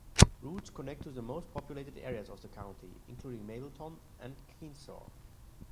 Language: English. Routes connect to the most populated areas of the county, including Mableton and Kennesaw.